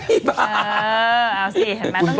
เออเอาสิเห็นไหมต้องอยู่ให้ครบ